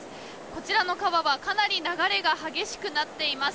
こちらの川はかなり流れが激しくなっています。